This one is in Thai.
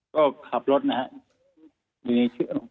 ก็ขับรถนะครับ